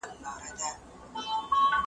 سياستپوهنه د ټولنې د جوړښتونو مطالعه کوي.